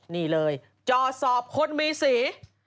นี่เลยจ่อสอบคนมีสี